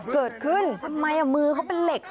เกิดขึ้นทำไมมือเขาเป็นเหล็ก